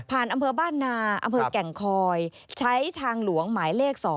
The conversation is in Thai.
อำเภอบ้านนาอำเภอแก่งคอยใช้ทางหลวงหมายเลข๒